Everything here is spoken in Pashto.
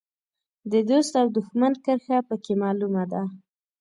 د دوست او دوښمن کرښه په کې معلومه ده.